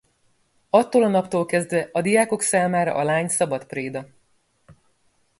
Attól a naptól kezdve a diákok számára a lány szabad préda.